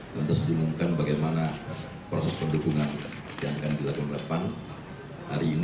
dan tersinggungkan bagaimana proses pendukungan yang akan dilakukan pan hari ini dan hari depan